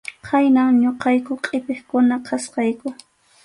Khaynam ñuqayku qʼipiqkuna kachkayku.